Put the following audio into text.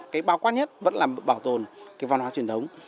cái bao quát nhất vẫn là bảo tồn cái văn hóa truyền thống